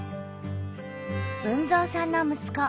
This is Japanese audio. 豊造さんの息子